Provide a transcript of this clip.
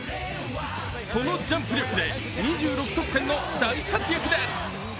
そのジャンプ力で２６得点の大活躍です。